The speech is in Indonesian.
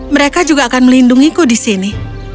mereka juga akan melindungiku di sini